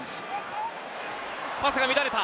パスが乱れた。